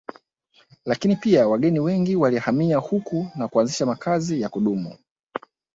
Lakini pia wageni wengi walihamia huku na kuanzisha makazi ya kudumu